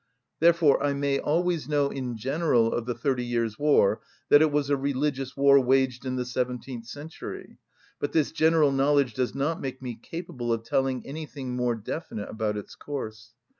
Therefore I may always know in general of the Thirty Years' War that it was a religious war, waged in the seventeenth century; but this general knowledge does not make me capable of telling anything more definite about its course.